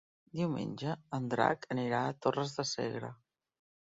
Diumenge en Drac anirà a Torres de Segre.